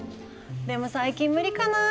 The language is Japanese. でも最近無理かなあ。